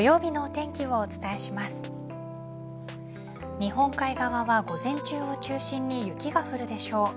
日本海側は午前中を中心に雪が降るでしょう。